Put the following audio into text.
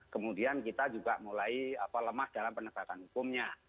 kemudian kita juga mulai lemah dalam penegakan hukumnya